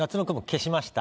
消しました。